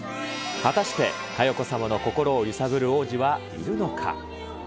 果たして、佳代子様の心を揺さぶる王子はいるのか。